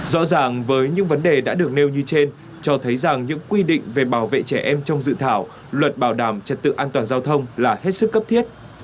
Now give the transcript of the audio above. rõ ràng với những vấn đề đã được nêu như trên cho thấy rằng những quy định về bảo vệ trẻ em trong dự thảo luật bảo đảm trật tự an toàn giao thông là hết sức cấp thiết